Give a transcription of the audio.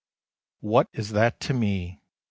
" What is that to me !